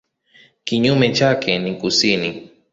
Kinyume chake ni kusini.